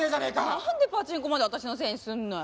なんでパチンコまで私のせいにするのよ！？